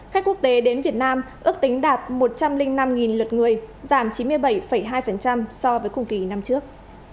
khách quốc tế đến việt nam ước tính đạt một trăm linh năm lượt người giảm chín mươi bảy hai so với cùng kỳ năm trước